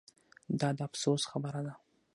دا د افسوس خبره ده